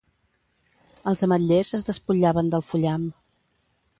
Els ametllers es despullaven del fullam.